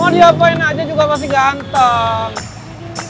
mau diapain aja juga masih ganteng